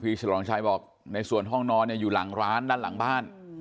ฉลองชัยบอกในส่วนห้องนอนเนี่ยอยู่หลังร้านด้านหลังบ้าน